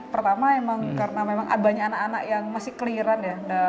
pertama memang karena memang banyak anak anak yang masih clearan ya